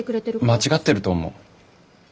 間違ってると思う。